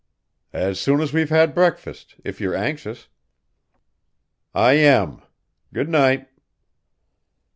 "As soon as we've had breakfast if you're anxious." "I am. Good night."